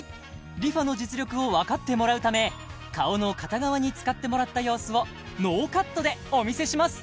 ＲｅＦａの実力を分かってもらうため顔の片側に使ってもらった様子をノーカットでお見せします